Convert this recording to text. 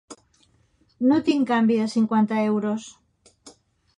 No tinc canvi de cinquanta euros.